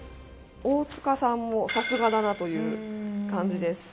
大塚さんもさすがだなという感じです。